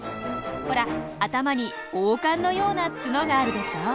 ほら頭に王冠のようなツノがあるでしょ！